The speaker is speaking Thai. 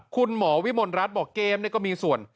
คุณหมอวิมลรัฐบอกเกมก็มีส่วน